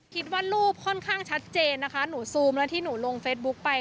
คิดว่ารูปค่อนข้างชัดเจนนะคะหนูซูมแล้วที่หนูลงเฟซบุ๊คไป